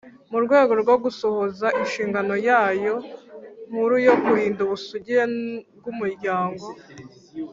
Mu rwego rwo gusohoza inshingano yayo nkuru yo kurinda ubusugire bw’umuryango